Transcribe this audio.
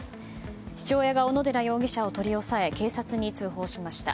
父親が小野寺容疑者を取り押さえ警察に通報しました。